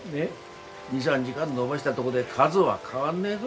２３時間延ばしたどごで数は変わんねえぞ。